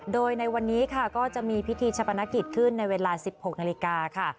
โดยในวันนี้ค่ะก็จะมีพิธีชะปนกิจขึ้นในเวลา๑๖นาฬิกาค่ะ